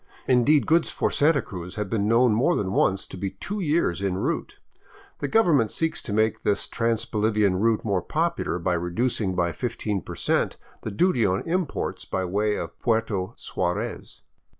Indeed, goods for Santa Cruz have been known more than once to be two years en route. The government seeks to make this trans Bolivian route more popular by reducing by 15 percent the duty on imports by way of Puerto Suarez.